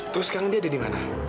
terus kang dia ada di mana